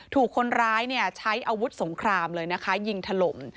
ถูกคนร้ายใช้อาวุธสงครามเลยนะคะยิงถล่ม